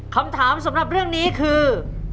คำถามสำหรับเรื่องนี้คือ